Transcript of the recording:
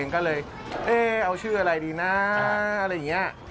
ก็เลยเอ๊ะเอาชื่ออะไรดีนะอะไรอย่างนี้